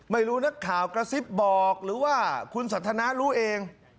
ไม่รู้นักข่าวกระซิบบอกหรือว่าคุณสันทนารู้เอง